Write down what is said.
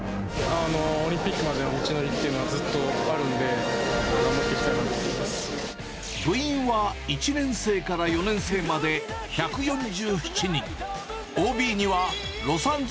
オリンピックまでの道のりっていうのは、ずっとあるので、部員は１年生から４年生まで、１４７人。